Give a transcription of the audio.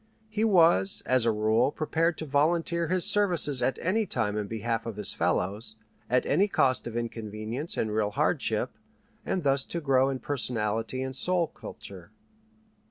He was as a rule prepared to volunteer his services at any time in behalf of his fellows, at any cost of inconvenience and real hardship, and thus to grow in personality and soul culture.